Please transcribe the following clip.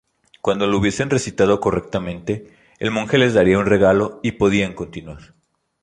Cuando lo hubiesen recitado correctamente, el monje les daría un regalo y podían continuar.